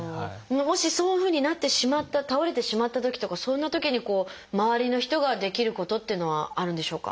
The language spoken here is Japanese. もしそういうふうになってしまった倒れてしまったときとかそんなときに周りの人ができることっていうのはあるんでしょうか？